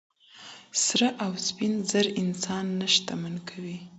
سره او سپین زر انسان نه شتمن کوي.